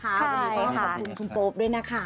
ใช่ขอบคุณคุณโป๊ปด้วยนะคะ